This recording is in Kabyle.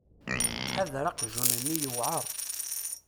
Ḥader aqjun-nni yewεer.